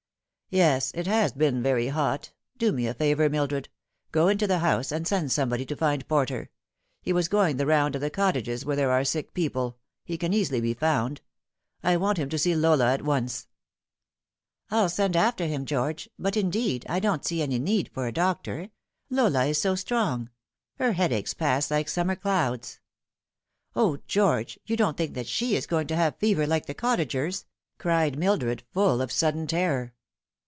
'* Yes, it has been very hot. Do me a favour, Mildred. Go into the house, and send somebody to find Porter. He was going the round of the cottages where there are sick people. He can easily be found. I want him to see Lola, at once." Ah/ Pity I the Lily is Withered. 65 " I'll send after him, George ; but, indeed, I don't see any need for a doctor. Lola is so strong ; her headaches pass like summer clouds. O George, you don't think that she is going to have fever, like the cottagers !" cried Mildred, full of a sudden terror.